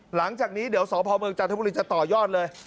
หลังจากนี้เดี๋ยวสพเมืองจันทบุรีจะต่อยอดเลย